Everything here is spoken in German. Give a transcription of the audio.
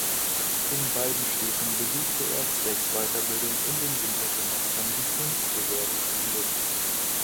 In beiden Städten besuchte er zwecks Weiterbildung in den Wintersemestern die Kunstgewerbeschule.